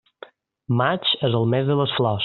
Maig és el mes de les flors.